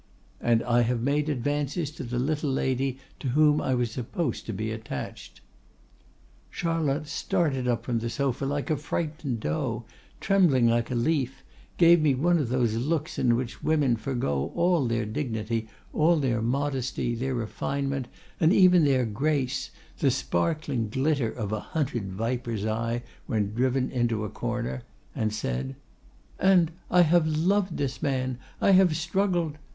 —'And I have made advances to the little lady to whom I was supposed to be attached.' "Charlotte started up from the sofa like a frightened doe, trembling like a leaf, gave me one of those looks in which women forgo all their dignity, all their modesty, their refinement, and even their grace, the sparkling glitter of a hunted viper's eye when driven into a corner, and said, 'And I have loved this man! I have struggled!